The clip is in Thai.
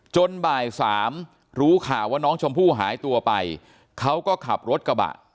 บ่ายสามรู้ข่าวว่าน้องชมพู่หายตัวไปเขาก็ขับรถกระบะ